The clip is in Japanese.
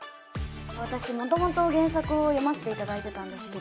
私元々原作を読ませていただいてたんですけど